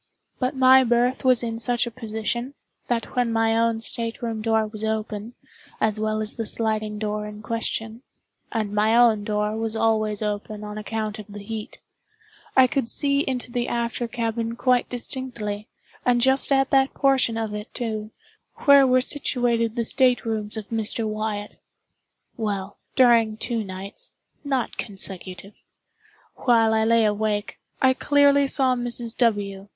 But my berth was in such a position, that when my own state room door was open, as well as the sliding door in question (and my own door was always open on account of the heat,) I could see into the after cabin quite distinctly, and just at that portion of it, too, where were situated the state rooms of Mr. Wyatt. Well, during two nights (not consecutive) while I lay awake, I clearly saw Mrs. W.